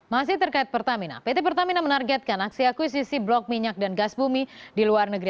masih terkait pertamina pt pertamina menargetkan aksi akuisisi blok minyak dan gas bumi di luar negeri